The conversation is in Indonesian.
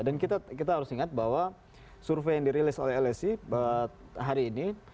dan kita harus ingat bahwa survei yang dirilis oleh lsi hari ini